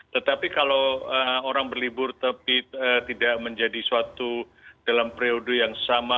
tetapi kalau orang berlibur tapi tidak menjadi suatu dalam periode yang sama